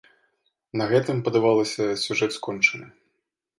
На гэтым, падавалася, сюжэт скончаны.